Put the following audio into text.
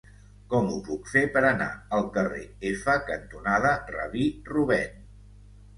Com ho puc fer per anar al carrer F cantonada Rabí Rubèn?